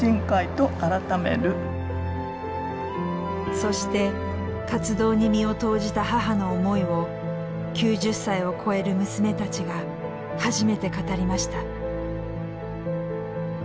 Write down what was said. そして活動に身を投じた母の思いを９０歳を超える娘たちが初めて語りました。